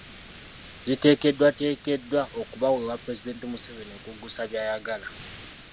Ziteekeddwateekeddwa okubaweebwa Pulezidenti Museveni okuggusa by’ayagala .